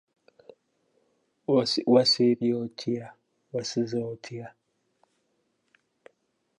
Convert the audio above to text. Faty's primary position is central defence but he has also been fielded in midfield.